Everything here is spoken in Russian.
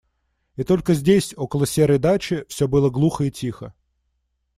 И только здесь, около серой дачи, все было глухо и тихо.